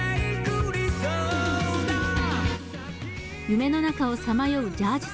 夢の中をさまようジャージ